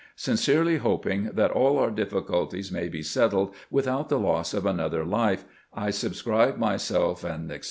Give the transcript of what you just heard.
Sincerely hoping that all our difftculties may be settled without the loss of another life, I subscribe myself, etc.